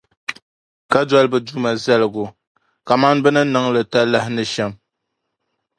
Ka doli bɛ Duuma zaligu kamani bɛ ni niŋ ba li talahi ni shɛm.